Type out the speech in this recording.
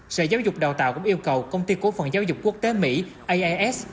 sở giáo dục đào tạo cũng yêu cầu công ty cố phần giáo dục quốc tế mỹ ias